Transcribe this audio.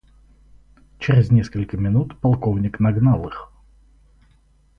Чрез несколько минут полковник нагнал их.